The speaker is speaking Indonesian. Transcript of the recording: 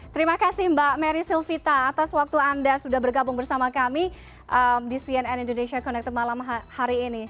terima kasih mbak mary silvita atas waktu anda sudah bergabung bersama kami di cnn indonesia connected malam hari ini